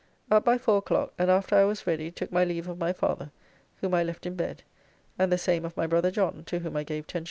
Up by four o'clock, and after I was ready, took my leave of my father, whom I left in bed, and the same of my brother John, to whom I gave 10s.